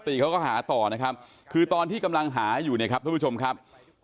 ติเขาก็หาต่อนะครับคือตอนที่กำลังหาอยู่เนี่ยครับท่านผู้ชมครับ